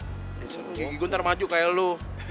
eh sengit gue ntar maju kayak lu